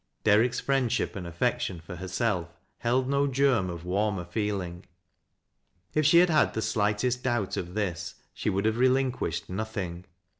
Derrick's friendship and affection for herself held m germ of warmer i eeling. If she had had the slightest doubt of this, she would have relinquished nothing.